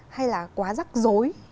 hay là quá rắc rối